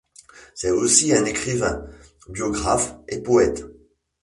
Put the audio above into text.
C'est aussi un écrivain, biographe et poète.